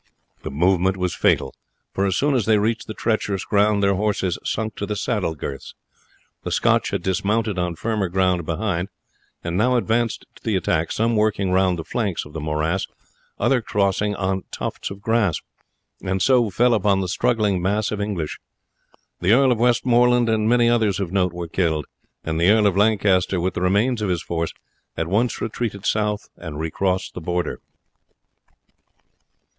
The movement was fatal, for as soon as they reached the treacherous ground their horses sunk to the saddle girths. The Scotch had dismounted on firmer ground behind, and now advanced to the attack, some working round the flanks of the morass, others crossing on tufts of grass, and so fell upon the struggling mass of English. The Earl of Westmoreland and many others of note were killed, and the Earl of Lancaster, with the remains of his force, at once retreated south and recrossed the Border.